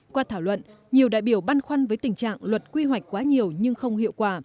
qua thảo luận nhiều đại biểu băn khoăn với tình trạng luật quy hoạch quá nhiều nhưng không hiệu quả